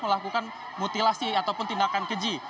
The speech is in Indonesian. melakukan mutilasi ataupun tindakan keji